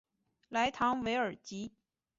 莱唐韦尔吉。